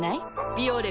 「ビオレ」